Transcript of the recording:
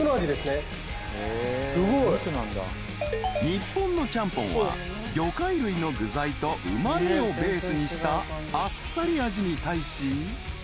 ［日本のちゃんぽんは魚介類の具材とうま味をベースにしたあっさり味に対し］